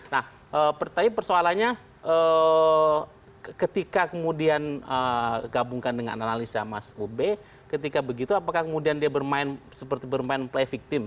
nah tapi persoalannya ketika kemudian gabungkan dengan analisa mas ube ketika begitu apakah kemudian dia bermain seperti bermain play victim